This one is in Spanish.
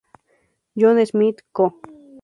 John Smith, Co.